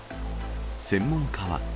専門家は。